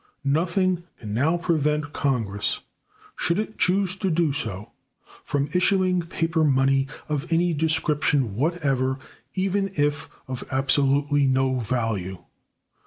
Nothing now can prevent Congress, should it choose to do so, from issuing paper money of any description whatever, even if of absolutely no value.